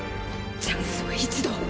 チャンスは一度！